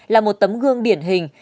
là một tấm gương biển hình